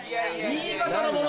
新潟のもの！